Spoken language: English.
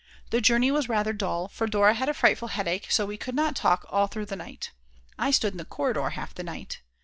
The journey was rather dull, for Dora had a frightful headache so we could not talk all through the night. I stood in the corridor half the night.